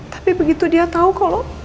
tapi begitu dia tahu kalau